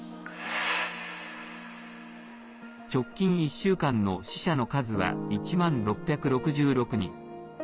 直近１週間の死者の数は１万６６６人。